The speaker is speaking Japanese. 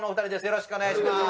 よろしくお願いします！